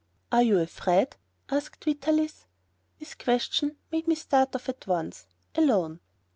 "Are you afraid?" asked Vitalis. His question made me start off at once, alone.